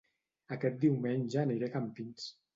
Aquest diumenge aniré a Campins